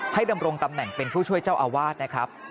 ดำรงตำแหน่งเป็นผู้ช่วยเจ้าอาวาสนะครับ